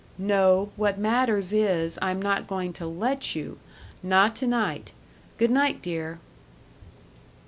"No, what matters is, I'm not going to let you!... Not to night.... Good night, dear."